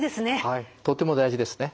はいとても大事ですね。